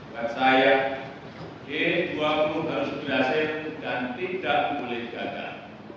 menurut saya g dua puluh harus dihasilkan dan tidak diboleh jadikan